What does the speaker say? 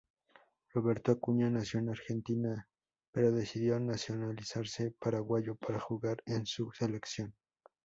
Roberto Acuña nació en Argentina pero decidió nacionalizarse paraguayo para jugar en su selección.